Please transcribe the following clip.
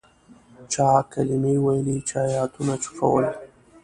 چا کلمې ویلې چا آیتونه چوفول.